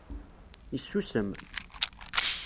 Yessusem.